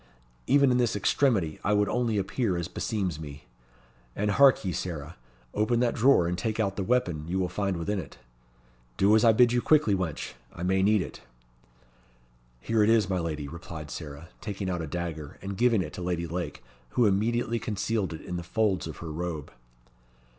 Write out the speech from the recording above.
Even in this extremity I would only appear as beseems me. And hark ye, Sarah, open that drawer, and take out the weapon you will find within it. Do as I bid you quickly, wench. I may need it." "Here it is, my lady," replied Sarah, taking out a dagger, and giving it to Lady Lake, who immediately concealed it in the folds of her robe.